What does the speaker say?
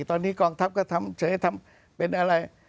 ตอนนี้กองทัพก็ทำเฉยทำเป็นอะไร